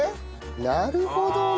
なるほどね！